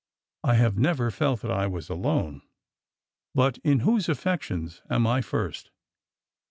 I have never felt that I was alone. But — in whose affections am I first?"